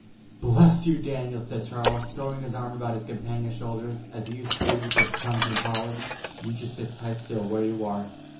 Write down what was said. "Bless you, Daniel!" said Charles, throwing his arm about his companion's shoulders, as he used to do with his chums in college. "You just sit right still where you are.